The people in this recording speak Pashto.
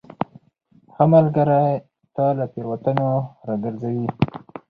ښه ملګری تا له تیروتنو راګرځوي.